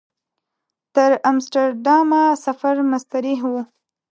تر امسټرډامه سفر مستریح و.